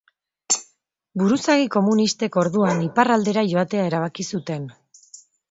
Buruzagi komunistek, orduan, iparraldera joatea erabaki zuten.